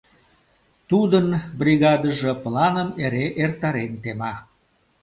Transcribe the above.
Тудын бригадыже планым эре эртарен тема.